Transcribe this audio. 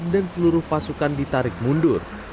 dan seluruh pasukan ditarik mundur